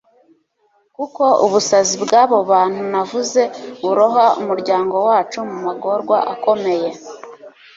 kuko ubusazi bw'abo bantu navuze buroha umuryango wacu mu magorwa akomeye